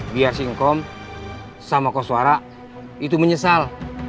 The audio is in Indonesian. biar singkom sama koswara itu menyesal